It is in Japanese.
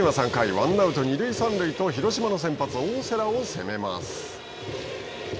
ワンアウト、二塁三塁と広島の先発大瀬良を攻めます。